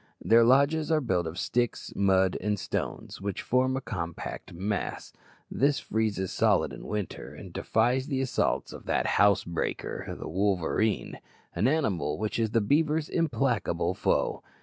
Their lodges are built of sticks, mud, and stones, which form a compact mass; this freezes solid in winter, and defies the assaults of that housebreaker, the wolverine, an animal which is the beaver's implacable foe.